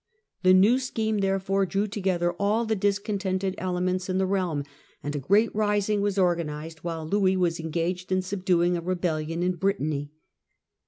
The new scheme therefore drew together all the discontented elements in the realm, and a great rising was organised while Louis was engaged in subduing a rebellion in Brittany.